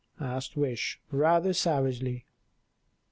asked Wish, rather savagely.